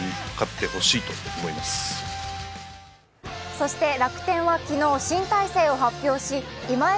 そして楽天は昨日、新体制を発表し今江